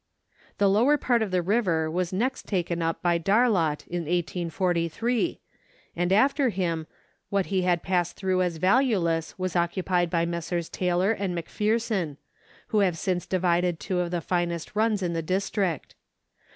The lower part of the river was next taken up by Darlot in 1843, and after him, what he had passed through as valueless was occupied by Messrs. Taylor and McPherson, who have since divided two of the finest runs in the district.